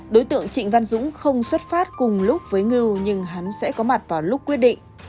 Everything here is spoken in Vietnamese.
đối tượng trịnh văn dũng không xuất phát cùng lúc với ngư nhưng hắn sẽ có mặt vào lúc quyết định